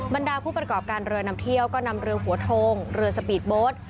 บรรดาผู้ประกอบการเรือนำเที่ยวก็นำเรือหัวโทงเรือสปีดโบสต์